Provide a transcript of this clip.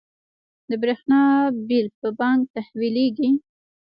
د بریښنا بیل په بانک تحویلیږي؟